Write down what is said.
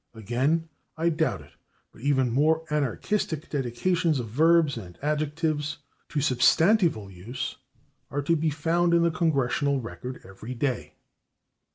Again I doubt it but even more anarchistic dedications of verbs and adjectives to substantival use are to be found in the /Congressional Record/ every day.